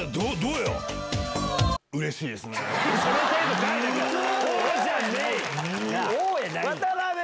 うれしいよ？